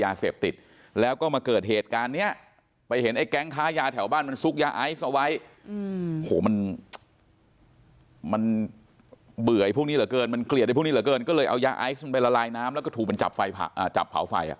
ไอซ์เอาไว้โหมันเบื่อยพวกนี้เหลือเกินมันเกลียดพวกนี้เหลือเกินก็เลยเอายาไอซ์มันไปละลายน้ำแล้วก็ถูกเป็นจับเผาไฟ